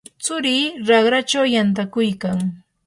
tsurii raqrachaw yantakuykan.